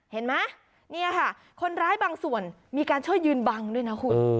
เห็นไหมเนี่ยค่ะคนร้ายบางส่วนมีการช่วยยืนบังด้วยนะคุณ